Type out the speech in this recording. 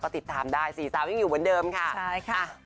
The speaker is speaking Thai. ติดตามได้สี่สาวยังอยู่เหมือนเดิมค่ะใช่ค่ะ